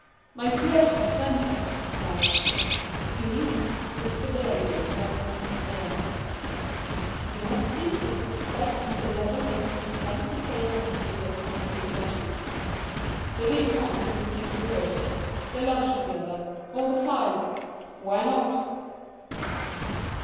"My dear friend!" he cried. "Philippe," whispered the lady into her husband's ear, "do you not think that you would like Mr. Lovell and his friend to favour us with their company at luncheon?" The Vicomte seemed to think he would. They lunched together all the five! Why not?